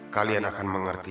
kalian akan mengerti